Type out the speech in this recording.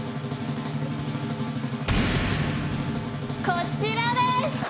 こちらです！